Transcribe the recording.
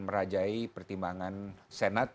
merajai pertimbangan senat